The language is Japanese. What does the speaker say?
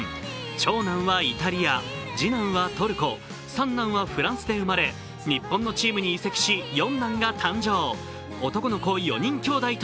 長男はイタリア、次男はトルコ三男はフランスで生まれ、日本のチームに移籍し、四男が誕生。